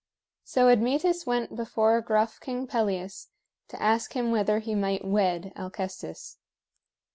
So Admetus went before gruff King Pelias to ask him whether he might wed Alcestis.